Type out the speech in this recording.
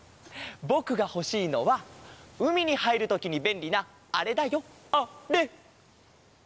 ぼくがほしいのはうみにはいるときにべんりなあれだよあれ！